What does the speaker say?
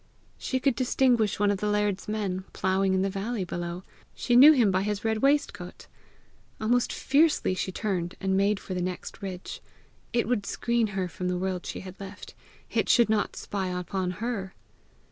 She could distinguish one of the laird's men, ploughing in the valley below: she knew him by his red waistcoat! Almost fiercely she turned and made for the next ridge: it would screen her from the world she had left; it should not spy upon her!